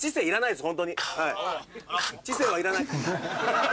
知性はいらない。